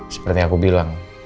seperti aku bilang